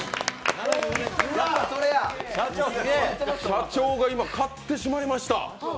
社長が今買ってしまいました。